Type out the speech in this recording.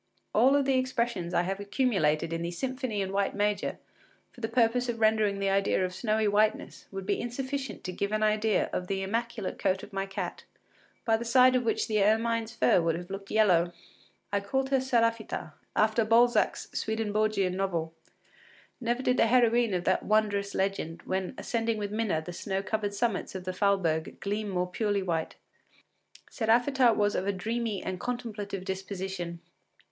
All the expressions I have accumulated in the “Symphony in White Major” for the purpose of rendering the idea of snowy whiteness would be insufficient to give an idea of the immaculate coat of my cat, by the side of which the ermine’s fur would have looked yellow. I called her Séraphita, after Balzac’s Swedenborgian novel. Never did the heroine of that wondrous legend, when ascending with Minna the snow covered summits of the Falberg, gleam more purely white. Séraphita was of a dreamy and contemplative disposition.